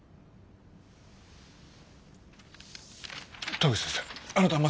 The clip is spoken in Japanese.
田口先生あなたまさか。